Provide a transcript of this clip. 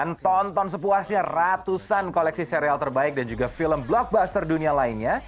menonton sepuasnya ratusan koleksi serial terbaik dan juga film blockbuster dunia lainnya